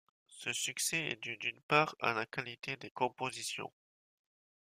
Ce succès est dû d'une part à la qualité des compositions.